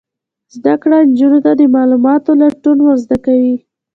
زده کړه نجونو ته د معلوماتو لټون ور زده کوي.